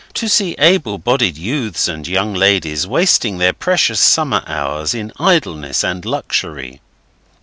to see able bodied youths and young ladies wasting the precious summer hours in idleness and luxury."